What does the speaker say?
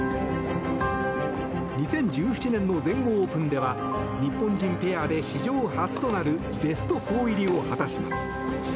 ２０１７年の全豪オープンでは日本人ペアで史上初となるベスト４入りを果たします。